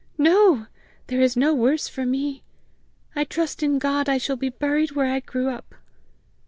No! There is no worse for me! I trust in God I shall be buried where I grew up!"